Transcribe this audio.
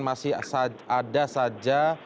masih ada saja